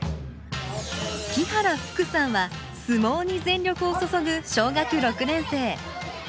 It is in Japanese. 木原福さんは相撲に全力を注ぐ小学６年生。